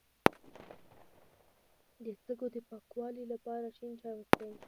د سږو د پاکوالي لپاره شین چای وڅښئ